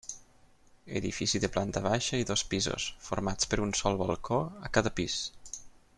Edifici de planta baixa i dos pisos, formats per un sol balcó a cada pis.